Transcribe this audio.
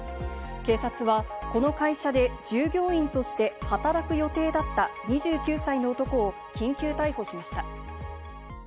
警察はこの会社で従業員として働く予定だった２９歳の男を緊急逮捕しました。